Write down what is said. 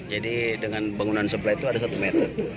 jadi dengan bangunan sebelah itu ada satu meter